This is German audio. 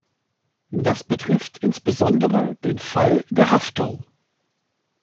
Das betrifft insbesondere den Fall der Haftung.